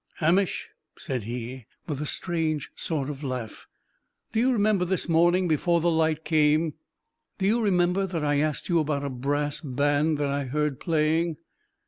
"Hamish," said he, with a strange sort of laugh, "do you remember this morning, before the light came? Do you remember that I asked you about a brass band that I heard playing?"